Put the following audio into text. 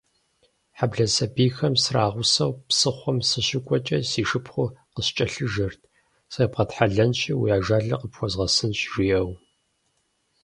Хьэблэ сабийхэм срагъусэу псыхъуэм сыщыкӏуэкӏэ, си шыпхъур къыскӏэлъыжэрт: «Зебгъэтхьэлэнщи, уи ажалыр къыпхуэзгъэсынщ», - жиӏэу.